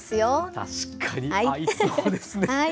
確かに合いそうですね！